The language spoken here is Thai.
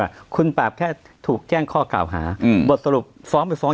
หรอคุณบาปแค่ถูกแจ้งข้อกล่าวหาอืมบทสรุปฟ้องไปฟ้อง